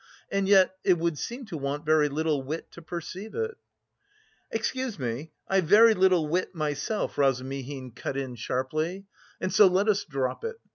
And yet it would seem to want very little wit to perceive it..." "Excuse me, I've very little wit myself," Razumihin cut in sharply, "and so let us drop it.